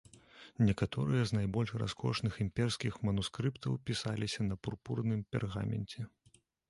Некаторыя з найбольш раскошных імперскіх манускрыптаў пісаліся на пурпурным пергаменце.